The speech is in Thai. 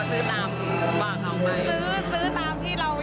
เข้าใจผิดหมดแล้ว